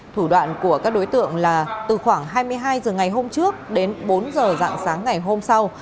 thủ đoạn của các đối tượng là từ khoảng hai mươi hai h ngày hôm trước đến bốn h dạng sáng ngày hôm sau